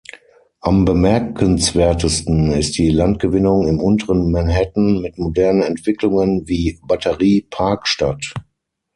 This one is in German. Am bemerkenswertesten ist die Landgewinnung im unteren Manhattan mit modernen Entwicklungen wie Batterie-Park-Stadt.